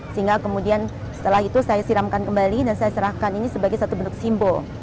sehingga kemudian setelah itu saya siramkan kembali dan saya serahkan ini sebagai satu bentuk simbol